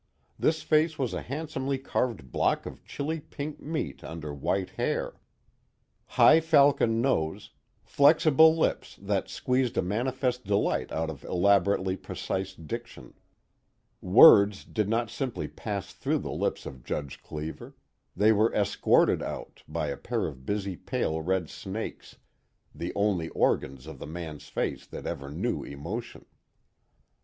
This face was a handsomely carved block of chilly pink meat under white hair. High falcon nose, flexible lips that squeezed a manifest delight out of elaborately precise diction. Words did not simply pass through the lips of Judge Cleever: they were escorted out, by a pair of busy pale red snakes, the only organs of the man's face that ever knew emotion.